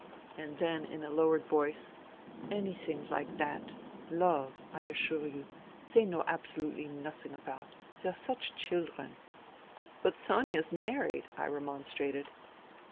And then, in a lowered voice :*' Anything like that — love — I assure you, they know absolutely nothing about. They're such children !"" But Soma's married !" I remonstrated.